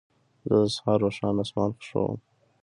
زه د سهار روښانه اسمان خوښوم.